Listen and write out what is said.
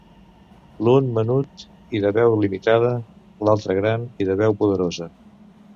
L’un menut i de veu limitada, l’altre gran i de veu poderosa.